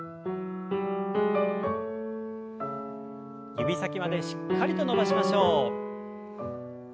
指先までしっかりと伸ばしましょう。